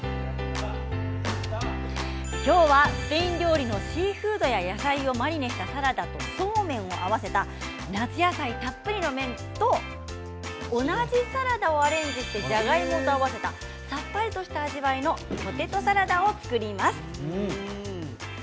今日はスペイン料理のシーフードや野菜をマリネしたサラダとそうめんを合わせた夏野菜たっぷりの麺と同じサラダをアレンジしてじゃがいもと合わせたさっぱりとした味わいのポテトサラダを作ります。